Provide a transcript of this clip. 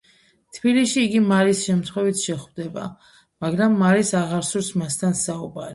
თბილისში იგი მარის შემთხვევით შეხვდება, მაგრამ მარის აღარ სურს მასთან საუბარი.